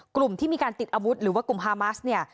กลุ่มที่มีการติดอาวุธหรือว่ากลุ่มฮามัสเนี่ย